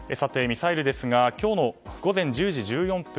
ミサイルですが今日の午前１０時１４分